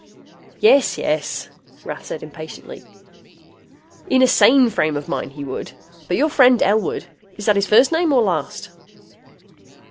"Yes, yes," Rath said impatiently, "in a sane frame of mind, he would. But your friend Elwood is that his first name or last?"